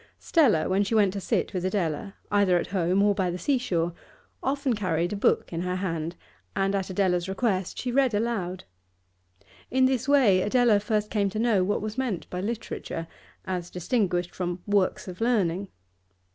Stella, when she went to sit with Adela, either at home or by the sea shore, often carried a book in her hand, and at Adela's request she read aloud. In this way Adela first came to know what was meant by literature, as distinguished from works of learning.